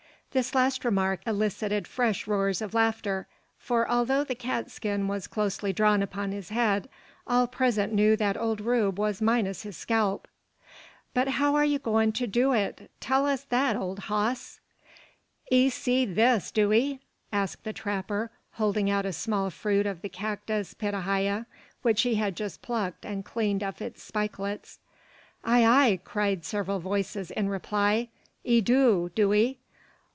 This last remark elicited fresh roars of laughter; for although the cat skin was closely drawn upon his head, all present knew that old Rube was minus his scalp. "But how are ye goin' to do it? Tell us that, old hoss!" "'Ee see this, do 'ee?" asked the trapper, holding out a small fruit of the cactus pitahaya, which he had just plucked and cleaned of its spikelets. "Ay, ay," cried several voices, in reply. "'Ee do, do 'ee?